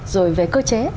rồi về cơ chế